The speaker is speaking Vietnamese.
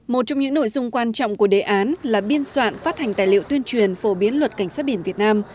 một trong những nội dung quan trọng của đề án là biên soạn phát hành tài liệu tuyên truyền phổ biến luật cảnh sát biển việt nam